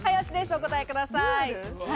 お答えください。